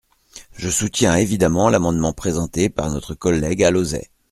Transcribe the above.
Je soutiens, évidemment, l’amendement présenté par notre collègue Alauzet.